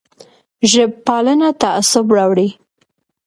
ژب پالنه تعصب راوړي